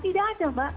tidak ada mbak